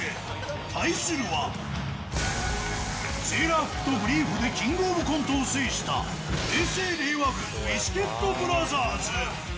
対するは、セーラー服とブリーフでキングオブコントを制した、平成・令和軍、ビスケットブラザーズ。